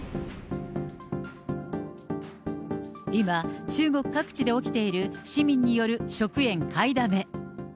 今、中国各地で起きている市民による食塩買いだめ。